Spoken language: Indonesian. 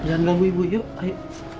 jangan ragu ibu yuk ayo